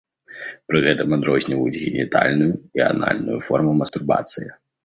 Пры гэтым адрозніваюць генітальную і анальную формы мастурбацыі.